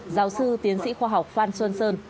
giáo sư tiến sĩ khoa học phan xuân sơn